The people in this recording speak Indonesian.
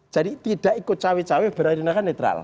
jadi tidak ikut cawe cawe berarti kan netral